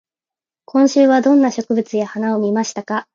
今週はどんな植物や花を見ましたか。